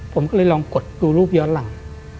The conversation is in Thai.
ผมก็เลยลองกดดูรูปย้อนหลัง